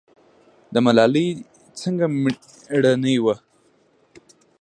ملالۍ څنګه میړنۍ وه؟